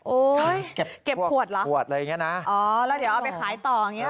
โอ๊ยเก็บขวดหรออ๋อแล้วเดี๋ยวเอาไปขายต่ออย่างนี้หรอ